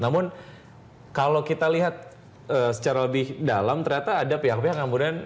namun kalau kita lihat secara lebih dalam ternyata ada pihak pihak yang kemudian